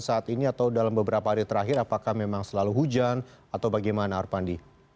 saat ini atau dalam beberapa hari terakhir apakah memang selalu hujan atau bagaimana arpandi